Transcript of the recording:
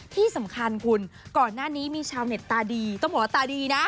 ที่สำคัญคุณก่อนหน้านี้มีชาวเน็ตตาดีต้องบอกว่าตาดีนะ